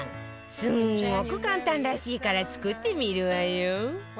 すんごく簡単らしいから作ってみるわよ